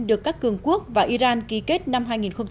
được các cường quốc và iran ký kết năm hai nghìn một mươi